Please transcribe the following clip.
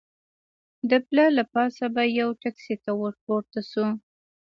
د پله له پاسه به یوې ټکسي ته ور پورته شو.